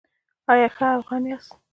ایا ښه افغان یاست؟